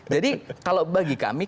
jadi kalau bagi kami